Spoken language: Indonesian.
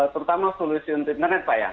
terutama solusi untuk internet pak ya